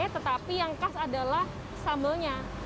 tetapi yang khas adalah sambalnya